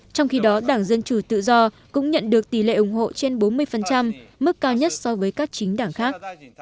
trong khi đó đảng dân chủ tự do cũng nhận được tỷ lệ ủng hộ trên bốn mươi mức cao nhất so với các chính đảng khác